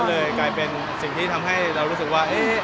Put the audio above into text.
เลยกลายเป็นสิ่งที่ทำให้เรารู้สึกว่า